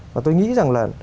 và tôi nghĩ rằng là